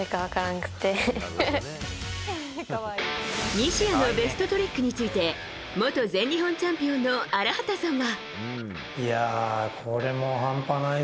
西矢のベストトリックについて元全日本チャンピオンの荒畑さんは。